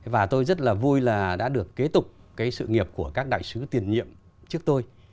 và tôi rất là vui là đã được kế tục cái sự nghiệp của các đại sứ tiền nhiệm trước tôi